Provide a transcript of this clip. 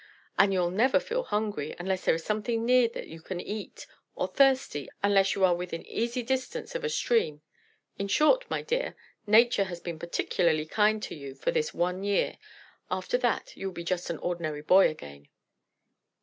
And you'll never feel hungry, unless there is something near that you can eat, or thirsty, unless you are within easy distance of a stream. In short, my dear, Nature has been particularly kind to you for this one year; after that you'll be just an ordinary boy again."